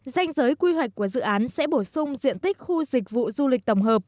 danh giới quy hoạch của dự án sẽ bổ sung diện tích khu dịch vụ du lịch tổng hợp